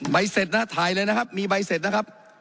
เสร็จนะฮะถ่ายเลยนะครับมีใบเสร็จนะครับ